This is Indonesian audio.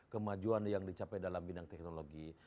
kemajuan yang dicapai dalam bidang teknologi